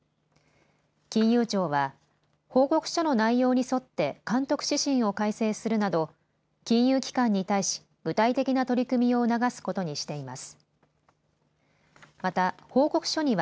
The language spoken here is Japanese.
金融庁は、報告書の内容に沿って監督指針を改正するなど金融機関に対し具体的な取り組みを促すことにしています。